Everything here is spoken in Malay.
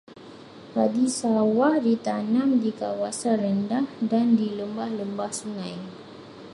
Padi sawah ditanam di kawasan rendah dan di lembah-lembah sungai.